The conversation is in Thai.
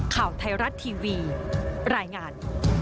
ข่าวไทยรัฐทีวีรายงาน